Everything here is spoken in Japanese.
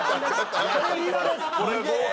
すごいな。